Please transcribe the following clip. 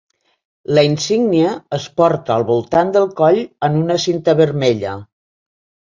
La insígnia es porta al voltant del coll en una cinta vermella.